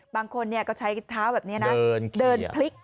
บางคนก็ใช้เท้าแบบนี้นะเดินพลิก